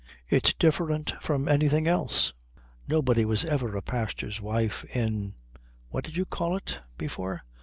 "It's different from anything else. Nobody was ever a pastor's wife in what did you call it? before."